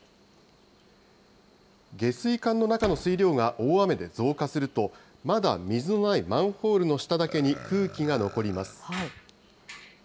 下水管の中の水量が大雨で増加すると、まだ水のないマンホールの下だけに空気が残ります。